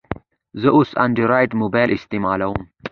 زه اوس انډرایډ موبایل استعمالوم.